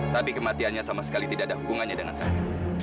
tapi kematiannya sama sekali tidak ada hubungannya dengan saya